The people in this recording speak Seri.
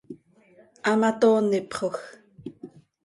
Hamatoonipxoj.